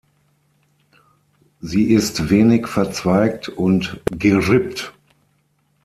Sie ist wenig verzweigt und gerippt.